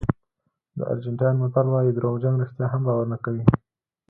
د ارجنټاین متل وایي دروغجن رښتیا هم باور نه کوي.